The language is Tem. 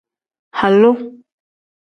Halu.